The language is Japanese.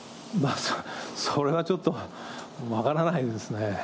それはちょっと分からないですね。